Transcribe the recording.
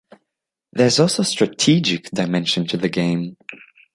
There is also a strategic dimension to the game.